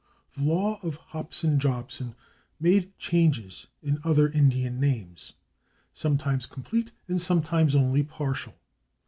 The law of Hobson Jobson made changes in other Indian names, sometimes complete and sometimes only partial.